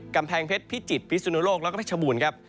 กำแพงเพชรพิจิตรพิสุนโลกแล้วก็เพชรบูรณ์ครับ